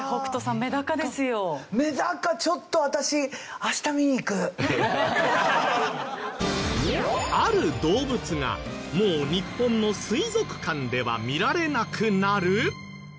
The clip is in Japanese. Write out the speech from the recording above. メダカちょっと私ある動物がもう日本の水族館では見られなくなる！？